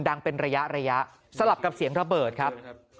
ดังเป็นระยะสลับกับเสียงระเบิดครับ